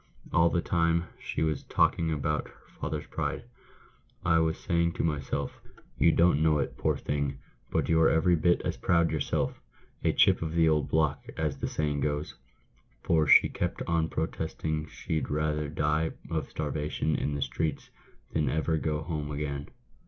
All the time she was talking about her father's pride, I was saying to myself, 'You don't know it, poor thing, but you're every bit as proud yourself — a chip of the old block, as the saying goes — for she kept on protesting she'd rather die of starvation in the streets, than ever go home again."